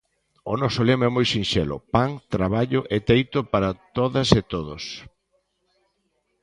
O noso lema é moi sinxelo: Pan, Traballo e Teito para todas e todos!